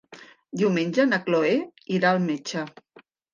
Diumenge na Chloé irà al metge.